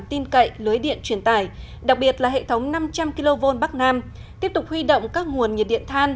tin cậy lưới điện truyền tải đặc biệt là hệ thống năm trăm linh kv bắc nam tiếp tục huy động các nguồn nhiệt điện than